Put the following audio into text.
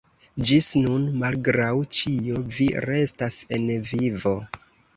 Ĝis nun, malgraŭ ĉio, vi restas en vivo.